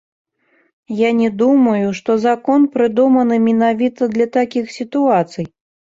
Я не думаю, што закон прыдуманы менавіта для такіх сітуацый.